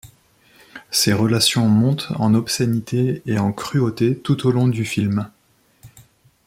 Ces relations montent en obscénité et en cruauté tout au long du film.